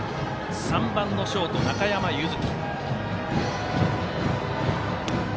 ３番のショート、中山優月。